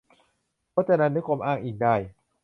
พจนานุกรมอ้างอิงได้